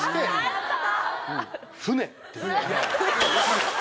やった！